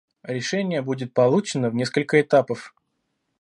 Решение будет получено в несколько этапов.